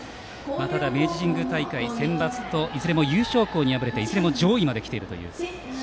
ただ、明治神宮大会、センバツといずれも優勝校に敗れていずれも上位まできていると。